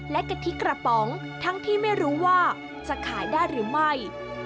และกะทิกระป๋องทั้งที่ไม่รู้ว่าจะขายได้หรือไม่